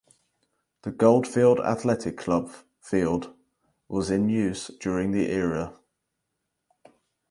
The Goldfield Athletic Club field was in use during the era.